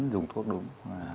dùng thuốc đúng